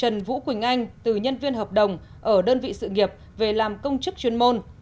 ngành từ nhân viên hợp đồng ở đơn vị sự nghiệp về làm công chức chuyên môn